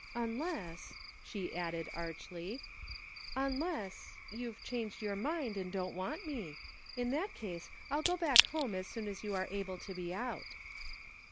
" Unless/' she added archly, " unless — ^you've changed yotu* mind and don't want me. In that case I'll go back home as soon as you are able to be out."